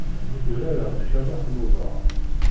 Urareɣ ddabex n uḍaṛ.